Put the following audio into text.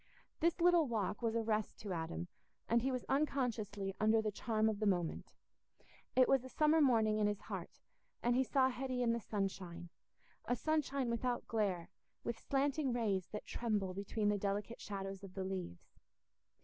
This little walk was a rest to Adam, and he was unconsciously under the charm of the moment. It was summer morning in his heart, and he saw Hetty in the sunshine—a sunshine without glare, with slanting rays that tremble between the delicate shadows of the leaves.